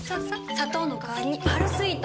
砂糖のかわりに「パルスイート」！